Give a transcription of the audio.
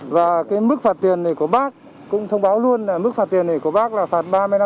và cái mức phạt tiền này của bác cũng thông báo luôn là mức phạt tiền này của bác là phạt ba mươi năm